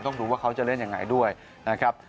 ต้องดูว่าเขาจะเล่นอย่างไรด้วยนะครับ